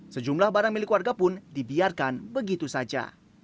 sejumlah barang milik warga pun dibiarkan begitu saja